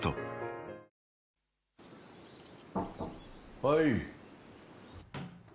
はい。